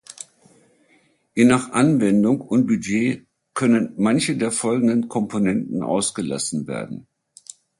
Je nach Anwendung und Budget können manche der folgenden Komponenten ausgelassen werden.